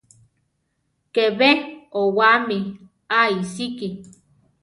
¿Ke be owáami a iʼsíki?